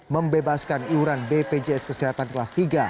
membebaskan iuran bpjs kesehatan kelas tiga